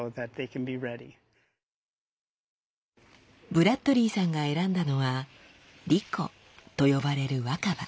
ブラッドリーさんが選んだのは「リコ」と呼ばれる若葉。